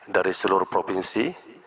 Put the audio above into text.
dari seluruh provinsi